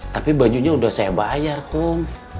tapi bajunya udah saya bayar kum